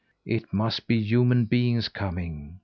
It must be human beings coming.